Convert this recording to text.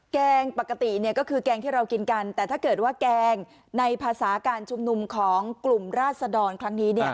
แกงปกติก็คือแกงที่เรากินกันแต่ถ้าเกิดว่าแกงในภาษาการชุมนุมของกลุ่มราศดรครั้งนี้เนี่ย